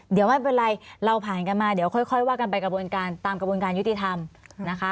เดี๋ยวไม่เป็นไรเราผ่านกันมาเดี๋ยวค่อยว่ากันไปกระบวนการตามกระบวนการยุติธรรมนะคะ